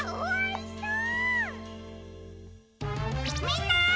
みんな！